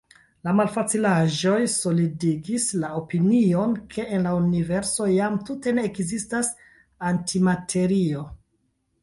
La malfacilaĵoj solidigis la opinion, ke en la universo jam tute ne ekzistas antimaterio.